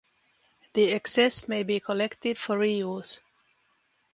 The excess may be collected for reuse.